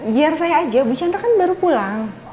biar saya aja bu chandra kan baru pulang